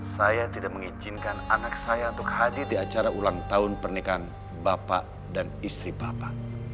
saya tidak mengizinkan anak saya untuk hadir di acara ulang tahun pernikahan bapak dan istri bapak